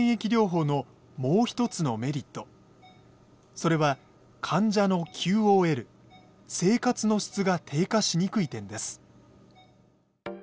それは患者のＱＯＬ生活の質が低下しにくい点です。